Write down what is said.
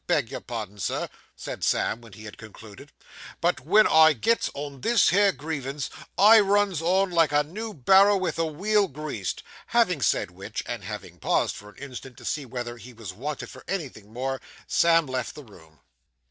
Beg your pardon, sir,' said Sam, when he had concluded, 'but wen I gets on this here grievance, I runs on like a new barrow with the wheel greased.' Having said which, and having paused for an instant to see whether he was wanted for anything more, Sam left the room.